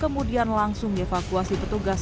kemudian langsung dievakuasi petugas